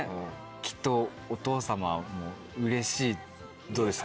きっとお父様もうれしいどうですか？